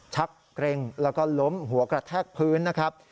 ชักเกร็งแล้วก็ล้มหัวกระแทกพื้นนะครับ